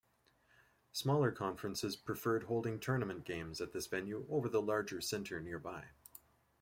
Smaller conferences preferred holding tournament games at this venue over the larger Center nearby.